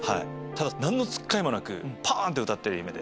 何のつっかえもなくパン！って歌ってる夢で。